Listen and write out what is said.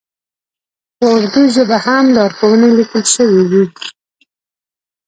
په اردو ژبه هم لارښوونې لیکل شوې وې.